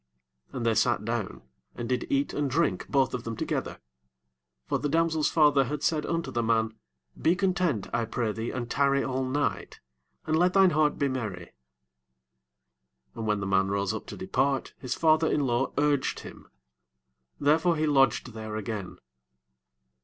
6 And they sat down, and did eat and drink both of them together: for the damsel's father had said unto the man, Be content, I pray thee, and tarry all night, and let thine heart be merry. 7 And when the man rose up to depart, his father in law urged him: therefore he lodged there again.